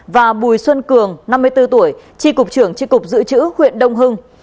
và bùi xuân cường năm mươi bốn tuổi tri cục trưởng tri cục dự trữ huyện đông hưng